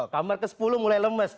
kamar ke sepuluh mulai lemes